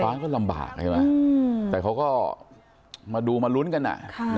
ร้านก็ลำบากใช่ไหมแต่เขาก็มาดูมาลุ้นกัน